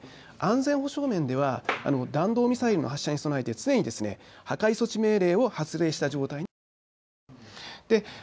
日本政府は安全保障面では弾道ミサイルの発射に備えて常に破壊措置命令を発令した状態にしているんです。